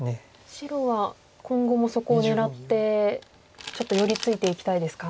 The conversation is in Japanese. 白は今後もそこを狙ってちょっと寄り付いていきたいですか。